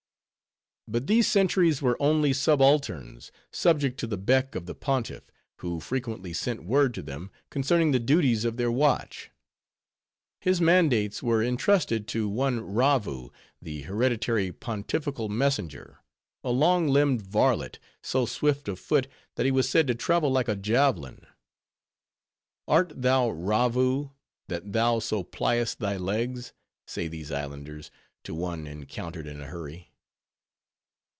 But these sentries were only subalterns, subject to the beck of the Pontiff; who frequently sent word to them, concerning the duties of their watch. His mandates were intrusted to one Ravoo, the hereditary pontifical messenger; a long limbed varlet, so swift of foot, that he was said to travel like a javelin. "Art thou Ravoo, that thou so pliest thy legs?" say these islanders, to one encountered in a hurry.